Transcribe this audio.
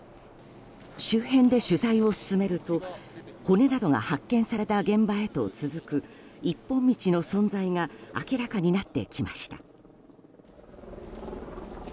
周辺で取材を進めると骨などが発見された現場へと続く一本道の存在が明らかになってきました。